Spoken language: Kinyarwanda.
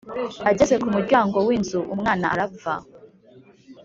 ageze ku muryango w’inzu umwana arapfa